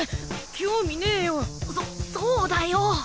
興味ねえよそそうだよ！